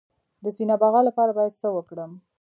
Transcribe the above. د سینه بغل لپاره باید څه وکړم؟